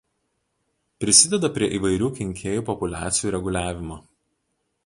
Prisideda prie įvairių kenkėjų populiacijų reguliavimo.